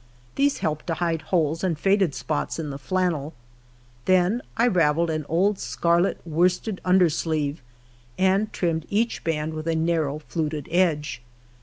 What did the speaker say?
These helped to hide holes and faded spots in the flannel : then I ravelled an old 6 HALF A DIME A DAY. scarlet, worsted under sleeve, and trimmed each band with a narrow, fluted edge.